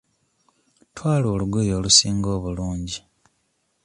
Twala olugoye olusinga obulungi.